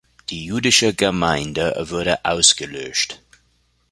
Die jüdische Gemeinde wurde ausgelöscht.